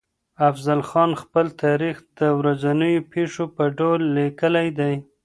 افضل خان خپل تاريخ د ورځنيو پېښو په ډول ليکلی دی.